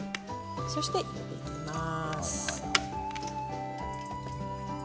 そして入れていきます。